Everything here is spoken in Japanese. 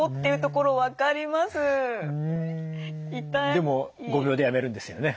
でも５秒でやめるんですよね？